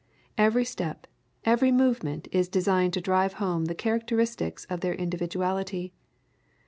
Every step, every movement is designed to drive home the characteristics of their individuality.